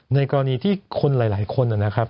ในกรณีที่คนหลายคน